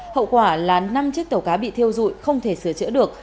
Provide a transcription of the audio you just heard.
hậu quả là năm chiếc tàu cá bị thiêu dụi không thể sửa chữa được